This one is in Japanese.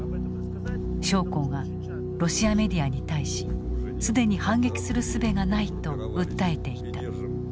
将校がロシアメディアに対し既に反撃するすべがないと訴えていた。